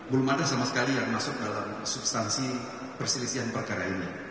belum ada sama sekali yang masuk dalam substansi perselisihan perkara ini